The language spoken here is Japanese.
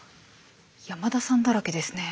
山田さんだらけですね。